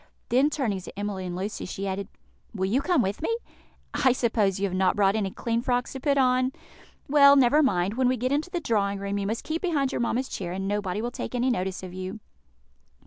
Then, turning to Emily and Lucy, she added, "Will you come with me? I suppose you have not brought any clean frocks to put on? Well, never mind; when we get into the drawing room you must keep behind your mamma's chair, and nobody will take any notice of you."